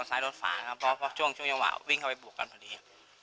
ซ้ายรถฝาครับเพราะช่วงช่วงจังหวะวิ่งเข้าไปบุกกันพอดี